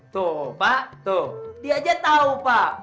tuh pak tuh dia aja tahu pak